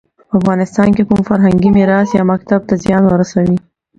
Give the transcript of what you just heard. په افغانستان کې کوم فرهنګي میراث یا مکتب ته زیان ورسوي.